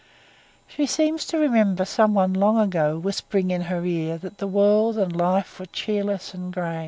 She seems to remember someone long since whispering in her ear that the world and life were cheerless and gray.